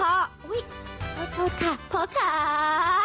ขอโทษค่ะพ่อค้า